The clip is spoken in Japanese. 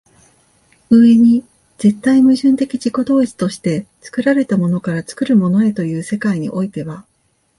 上に絶対矛盾的自己同一として作られたものから作るものへという世界においては